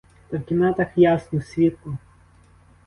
Та в кімнатах ясно, світло!